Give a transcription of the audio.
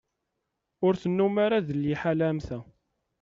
Ur tennum ara d liḥala am ta.